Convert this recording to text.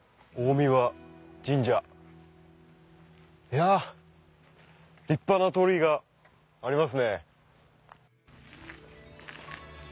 いや立派な鳥居がありますね。